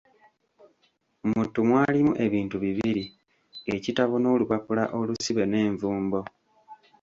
Mu ttu mwalimu ebintu bibiri; ekitabo n'olupappula olusibe n'envumbo.